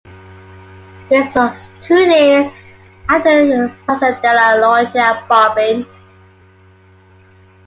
This was two days after the Piazza della Loggia bombing.